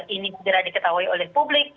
ini segera diketahui oleh publik